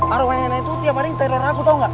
arawahnya nenek tuh tiap hari ngerang aku tau ga